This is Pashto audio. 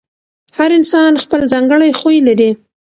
هر انسان خپل ځانګړی خوی لري.